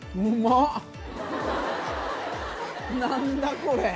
何だこれ！